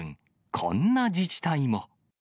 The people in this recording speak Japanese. こんな自治体も。